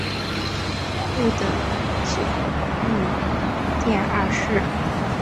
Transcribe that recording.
护得久御殿二世。